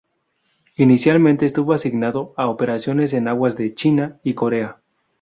Inicialmente estuvo asignado a operaciones en aguas de China y Corea.